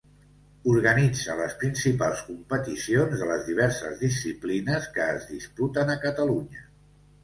Organitza les principals competicions de les diverses disciplines que es disputen a Catalunya.